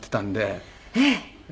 えっ！